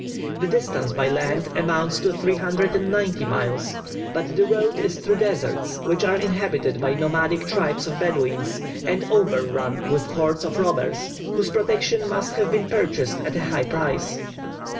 The distance by land amounts to 390 miles; but the road is through deserts, which are inhabited by nomadic tribes of Bedouins, and over run with hordes of robbers, whose protection must be purchased at a high price.